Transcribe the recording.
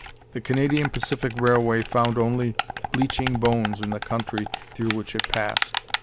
The Canadian Pacific Railway found only bleaching bones in the country through which it passed.